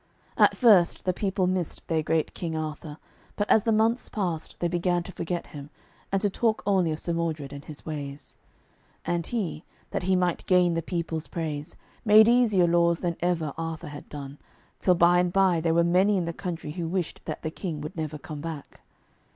At first the people missed their great King Arthur, but as the months passed they began to forget him, and to talk only of Sir Modred and his ways. And he, that he might gain the people's praise, made easier laws than ever Arthur had done, till by and by there were many in the country who wished that the King would never come back.